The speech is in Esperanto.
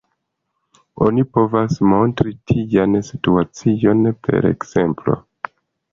Oni povas montri tian situacion per ekzemplo.